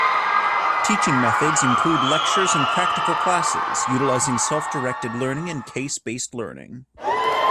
Teaching methods include lectures and practical classes, utilising self-directed learning and case-based learning.